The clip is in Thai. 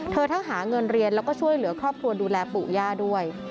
ทั้งหาเงินเรียนแล้วก็ช่วยเหลือครอบครัวดูแลปู่ย่าด้วย